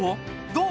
どう？